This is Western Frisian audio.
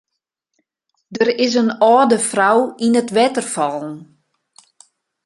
Der is in âlde frou yn it wetter fallen.